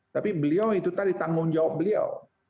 tapi beliau itu tadi tanggung jawab beliau